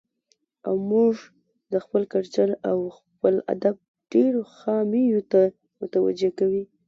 او موږ د خپل کلچر او خپل ادب ډېرو خاميو ته متوجه کوي.